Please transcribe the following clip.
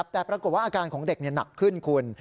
แต่ปรากฏว่าอาการของเด็กหนักขึ้นคุณ